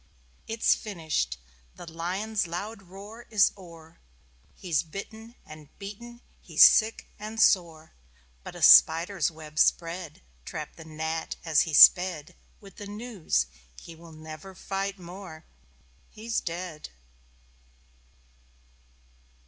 It's finished. The Lion's loud roar is o'er. He's bitten and beaten, he's sick and sore. But a spider's web spread Trapped the Gnat as he sped With the news...He will never fight more He's dead!